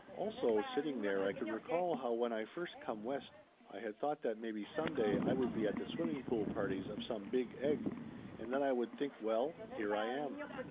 Also, sitting there I could recall how when I first come West I had thought that maybe some day I would be at the swimming pool parties of some big egg, and then I would think well, here I am!